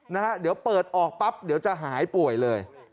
นะฮะเดี๋ยวเปิดออกปั๊บเดี๋ยวจะหายป่วยเลย